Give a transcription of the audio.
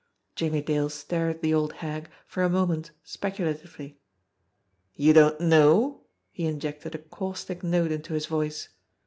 Jimmie Dale stared at the old hag for a moment specula tively. "You don't know!" He injected a caustic note into his voice.